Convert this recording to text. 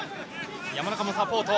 山中もサポート。